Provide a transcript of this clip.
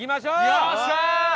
よっしゃー！